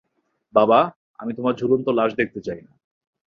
বাবা, আমি তোমার ঝুলন্ত লাশ দেখতে চাই না।